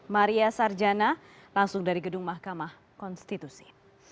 maria sarjana langsung dari gedung mahkamah konstitusi